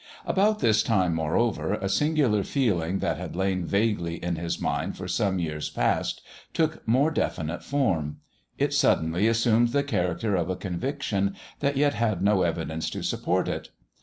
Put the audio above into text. About this time, moreover, a singular feeling that had lain vaguely in his mind for some years past, took more definite form. It suddenly assumed the character of a conviction, that yet had no evidence to support it.